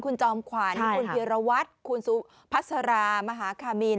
คุณจอมขวัญคุณพีรวัตรคุณสุพัสรามหาคามีน